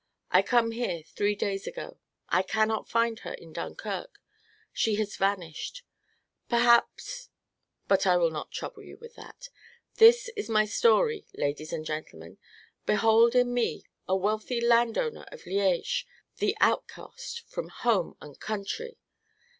I come here, three days ago; I cannot find her in Dunkirk; she has vanished. Perhaps but I will not trouble you with that. This is my story, ladies and gentlemen. Behold in me a wealthy landowner of Liege the outcast from home and country!"